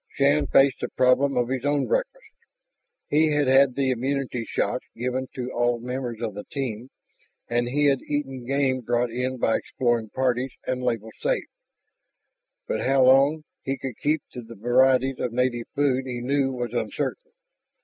Shann faced the problem of his own breakfast. He had had the immunity shots given to all members of the team, and he had eaten game brought in by exploring parties and labeled "safe." But how long he could keep to the varieties of native food he knew was uncertain.